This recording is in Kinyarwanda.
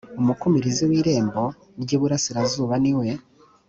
umukumirizi w irembo ry iburasirazuba ni we